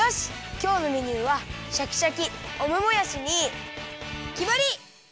きょうのメニューはシャキシャキオムもやしにきまり！